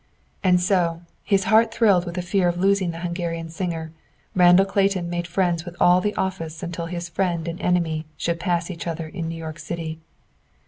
And so, his heart thrilled with the fear of losing the Hungarian singer, Randall Clayton made friends with all in the office until his friend and enemy should pass each other in New York City.